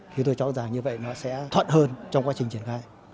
thì tôi cho rằng như vậy nó sẽ thuận hơn trong quá trình triển khai